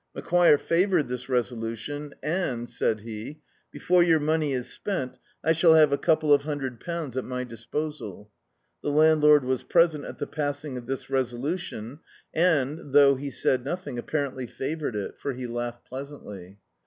Macquire fa voured this resolution and, said he, "Before your money is spent, I shall have a couple of hundred pounds at my disposal." The landlord was present at the passing of this resolution and, though he said nothing, apparently favoured it, for he laughed pleasantly.